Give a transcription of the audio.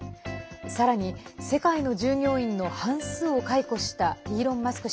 さらに世界の従業員の半数を解雇したイーロン・マスク